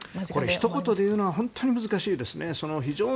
ひと言でいうのは非常に難しいですね。